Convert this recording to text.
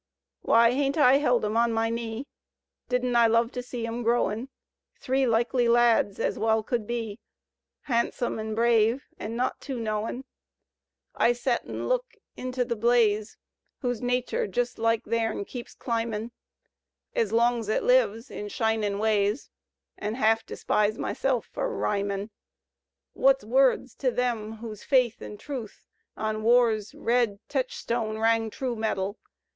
Why, hain't I held 'em on my knee? Didn't I love to see 'em growin'. Three likely lads ez wal could be, Hahnsome an' brave an' not tu knowin'? Digitized by VjOOQIC LOWELL 197 I set an' look into the blaze Whose natur', jes' like theim, keeps cIimbin^ Ez long 'z it lives, in shinin' ways. An' half despise myself for rhymin'. Wut's words to them whose faith an' truth On War's red techstone rang true metal.